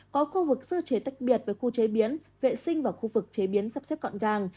có khu vực sơ chế tách biệt với khu chế biến vệ sinh và khu vực chế biến sắp xếp gọn gàng